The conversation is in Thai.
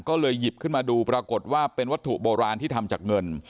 ก็เลยหยิบขึ้นมาดูปรากฏว่าเป็นวัตถุโบราณที่ทำจากเงิน